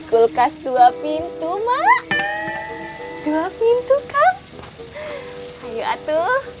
kulkas dua pintu mah dua pintu kang ayo atuh